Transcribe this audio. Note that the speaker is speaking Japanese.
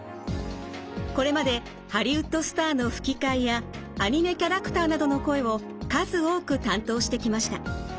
これまでハリウッドスターの吹き替えやアニメキャラクターなどの声を数多く担当してきました。